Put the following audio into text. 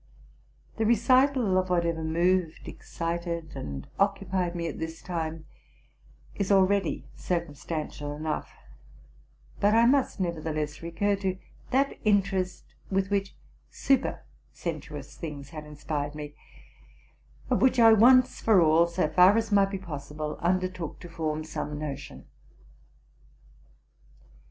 The recital of whatever moved, excited, and occupied me at this time, is already circumstantial enough; but I must nevertheless recur to that interest with which supersensuous things had inspired me, of which I, once for all, so far as might be possible, undertook to form some notion.